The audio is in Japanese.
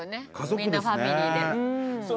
みんなファミリーで。